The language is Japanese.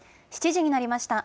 ７時になりました。